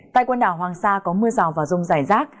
tại quần đảo hoàng sa có mưa rào và rông rải rác